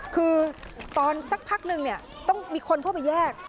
คือตอนสักพักนึงเนี่ยต้องมีคนเข้าไปแยก